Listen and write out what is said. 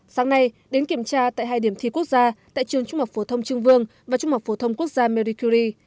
sáng nay đến kiểm tra tại hai điểm thi quốc gia tại trường trung học phổ thông trương vương và trung học phổ thông quốc gia mericury